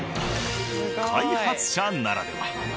開発者ならでは。